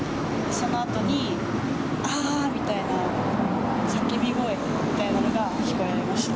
そのあとに、あーみたいな、叫び声みたいなのが聞こえました。